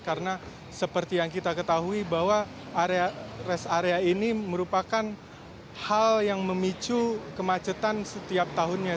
karena seperti yang kita ketahui bahwa res area ini merupakan hal yang memicu kemacetan setiap tahunnya